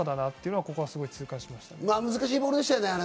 難しいボールでしたよね、あれ。